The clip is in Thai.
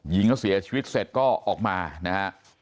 ยิงเขาเสียชีวิตเสร็จก็ออกมานะฮะ